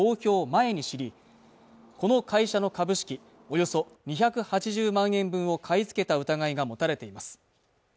前に知りこの会社の株式およそ２８０万円分を買い付けた疑いが持たれています